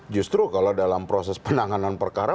justru kalau dalam proses penanganan perkara